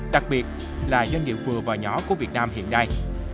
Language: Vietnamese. đặc biệt là doanh nghiệp vừa và nhỏ của việt nam hiện nay